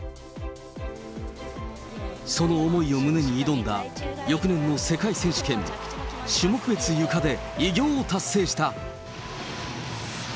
その思いを胸に挑んだ、翌年の世界選手権、種目別ゆかで偉業を達成した。